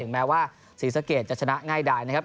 แม้ว่าซีเซอร์เกจจะชนะง่ายดายนะครับ